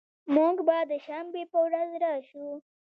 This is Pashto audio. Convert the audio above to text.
مونږ به د شنبې په ورځ راشو